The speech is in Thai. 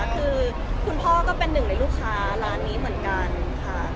คือคุณพ่อก็เป็นหนึ่งในลูกค้าร้านนี้เหมือนกันค่ะ